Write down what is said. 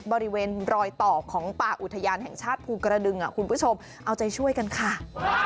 บริเวณรอยต่อของป่าอุทยานแห่งชาติภูกระดึงคุณผู้ชมเอาใจช่วยกันค่ะ